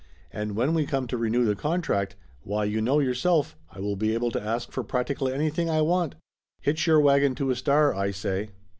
"And when we come to renew the contract, why you know yourself, I will be able to ask for practically anything I want. Hitch your wagon to a star, I say."